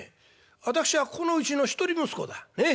私はここのうちの一人息子だ。ねえ？